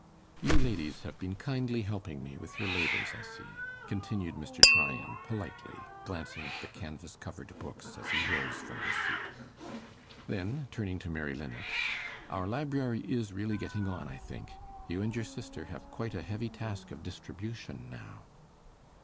You, ladies, have been kindly helping me with your labours, I see,' continued Mr. Tryan, politely, glancing at the canvass covered books as he rose from his seat. Then, turning to Mary Linnet: 'Our library is really getting on, I think. You and your sister have quite a heavy task of distribution now.